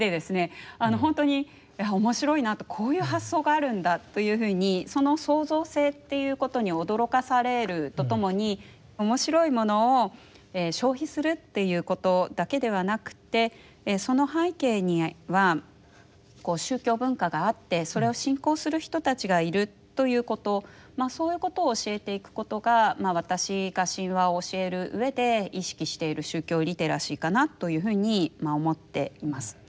ほんとに面白いなとこういう発想があるんだというふうにその創造性っていうことに驚かされるとともに面白いものを消費するっていうことだけではなくてその背景には宗教文化があってそれを信仰する人たちがいるということそういうことを教えていくことが私が神話を教えるうえで意識している宗教リテラシーかなというふうに思っています。